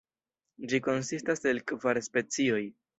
Ĝi konsistas el kvar specioj.